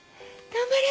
頑張れ！